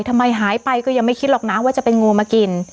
ทำไมหายไปก็ยังไม่คิดหรอกนะว่าจะเป็นงูมากิน